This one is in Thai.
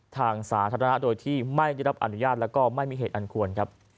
ทางสาธารณะโดยที่ไม่ได้รับอนุญาตและก็ไม่มีเหตุอันควรครับ